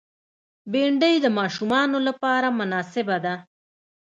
بېنډۍ د ماشومانو لپاره مناسبه ده